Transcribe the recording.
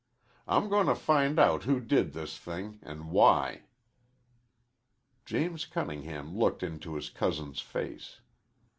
I'm goin' to find out who did this thing an' why." James Cunningham looked into his cousin's face.